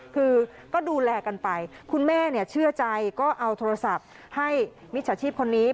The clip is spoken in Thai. คือก็ดูแลกันไปคุณแม่เนี่ยเชื่อใจก็เอาโทรศัพท์ให้มิจฉาชีพคนนี้